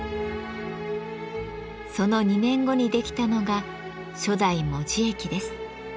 その２年後にできたのが初代門司駅です。